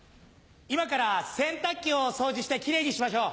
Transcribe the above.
今から洗濯機を掃除してキレイにしましょう。